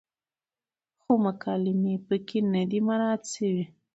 خو مکالمې پکې نه دي مراعت شوې،